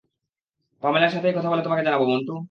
পামেলার সাথেই কথা বলে তোমাকে জানাব মন্টু!